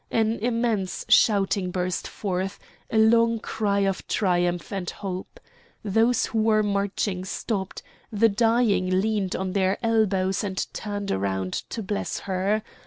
An immense shouting burst forth, a long cry of triumph and hope. Those who were marching stopped; the dying leaned on their elbows and turned round to bless her.